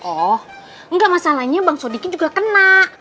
oh nggak masalahnya bang sodiki juga kena